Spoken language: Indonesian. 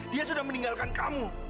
dia sudah meninggalkan kamu